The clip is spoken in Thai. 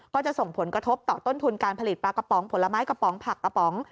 ก็จะส่งผลกระทบต่อต้นทุนการผลิตปลากระป๋องผลไม้กระป๋องผักกระป๋อง